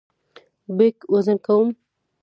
بیک وزن کوم.